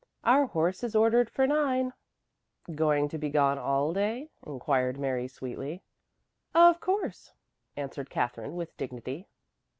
Our horse is ordered for nine." "Going to be gone all day?" inquired Mary sweetly. "Of course," answered Katherine with dignity.